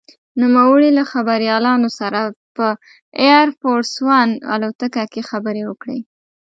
نوموړي له خبریالانو سره په «اېر فورس ون» الوتکه کې خبرې وکړې.